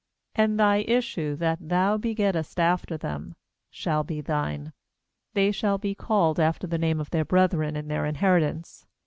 6And thy issue, that thou begettest after them, shall be thine; they shall be called after the name of their brethren in their in heritance.